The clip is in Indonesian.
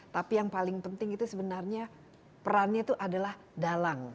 tapi yang paling penting itu sebenarnya perannya itu adalah dalang